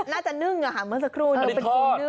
น่าจะนึ่งอ่ะเมื่อสักครู่